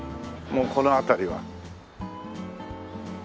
もうこの辺りは。